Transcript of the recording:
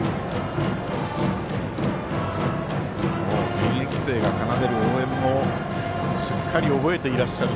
現役生が奏でる応援もすっかり覚えていらっしゃる